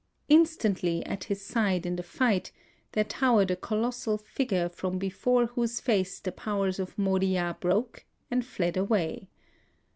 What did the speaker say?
Instantly at his side in the fight there towered a colossal figure from before whose face the powers of Moriya broke and fled away.